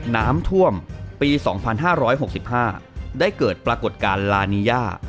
น้ำท่วมปี๒๕๖๕ได้เกิดปรากฏการณ์ลานีย่า